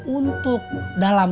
untuk dalam rangka